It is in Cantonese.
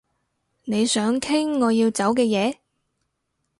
你想傾我要走嘅嘢